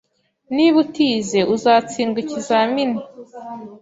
Niba utize, uzatsindwa ikizamini